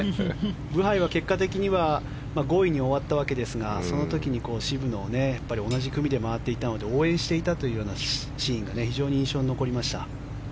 ブハイは結果的には５位に終わったわけですがその時に渋野を同じ組で回っていたので応援していたというシーンが非常に印象に残りました。